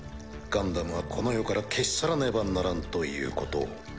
ガンダムはこの世から消し去らねばならんということを。